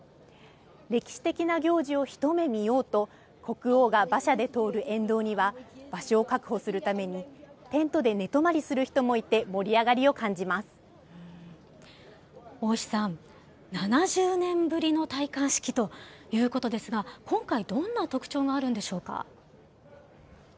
歴史的な行事を一目見ようと、国王が馬車で通る沿道には、場所を確保するためにテントで寝泊まりする人もいて、盛り上がりを感じ大石さん、７０年ぶりの戴冠式ということですが、今回、どんな特徴があるんでしょうか。